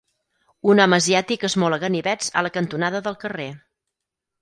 Un home asiàtic esmola ganivets a la cantonada del carrer.